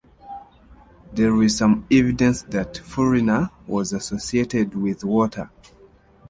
There is some evidence that Furrina was associated with water.